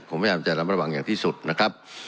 ผมพยายามจะระมัดระวังอย่างที่สุดนะครับ